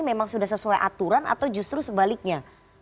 memang sudah sesuai aturan atau justru sebaliknya